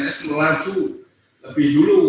rms melaju lebih dulu